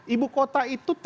ibu kota itu terbatas